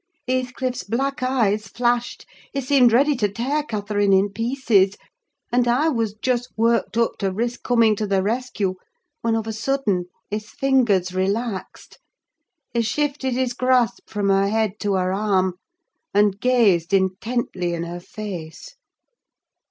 Heathcliff's black eyes flashed; he seemed ready to tear Catherine in pieces, and I was just worked up to risk coming to the rescue, when of a sudden his fingers relaxed; he shifted his grasp from her head to her arm, and gazed intently in her face.